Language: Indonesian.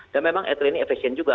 dan memang etl ini efesien juga